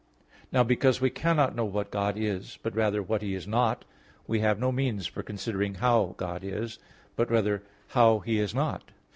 Now, because we cannot know what God is, but rather what He is not, we have no means for considering how God is, but rather how He is not.